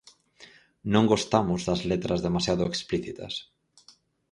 Non gostamos das letras demasiado explícitas.